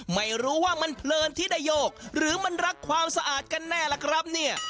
ไม่รู้ว่ามันเพลินที่ได้โยกหรือมันรักความสะอาดกันแน่ล่ะครับเนี่ย